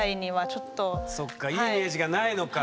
そっかいいイメージがないのか。